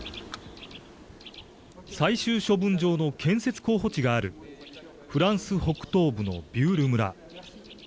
最終処分場の建設候補地があるフランス北東部のビュール村。